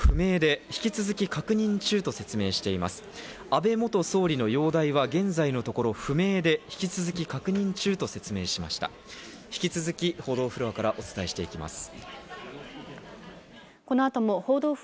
安倍元総理の容体は現在のところ不明で、引き続き確認中と説明しています。